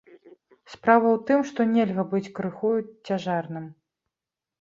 Справа ў тым, што нельга быць крыху цяжарным.